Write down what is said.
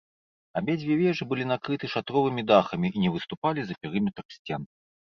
Абедзве вежы былі накрыты шатровымі дахамі і не выступалі за перыметр сцен.